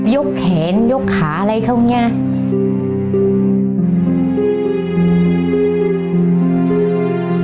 ยกแขนยกขาอะไรเขาอย่างนี้